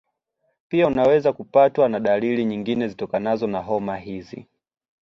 pia unaweza kupatwa na dalili nyingine zitokanazo na homa hizi